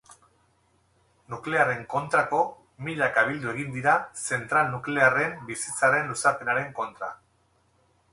Nuklearren kontrako milaka bildu egin dira zentral nuklearren bizitzaren luzapenaren kontra.